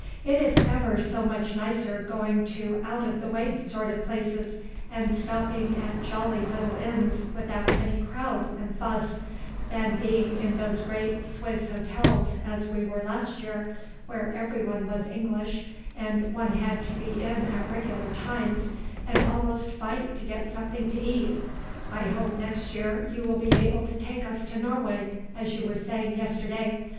It is ever so much nicer going to out of the way sort of places, and stopping at jolly little inns without any crowd and fuss, than being in those great Swiss hotels as we were last year, where every one was English, and one had to be in at regular times and almost fight to get something to eat. I hope next year you will be able to take us to Norway, as you were saying yesterday.